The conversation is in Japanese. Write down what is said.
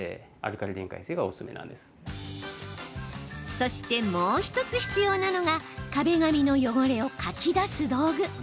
そして、もう１つ必要なのが壁紙の汚れをかき出す道具。